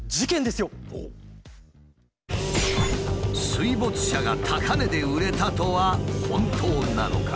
水没車が高値で売れたとは本当なのか？